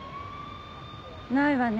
ないわね。